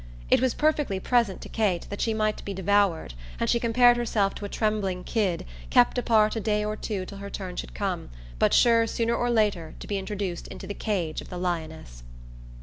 It was perfectly present to Kate that she might be devoured, and she compared herself to a trembling kid, kept apart a day or two till her turn should come, but sure sooner or later to be introduced into the cage of the lioness.